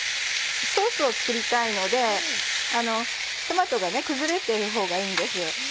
ソースを作りたいのでトマトが崩れているほうがいいんです。